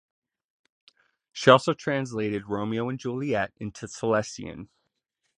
She also translated "Romeo and Juliet" into Silesian.